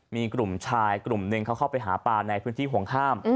มีกลุ่มชายกลุ่มหนึ่งเขาเข้าไปหาปลาในพื้นที่ห่วงห้าม